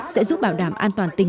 sẽ giúp bảo đảm an toàn tình hình